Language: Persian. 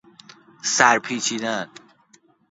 سرپیچیدن